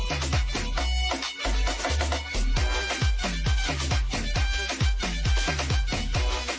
ออก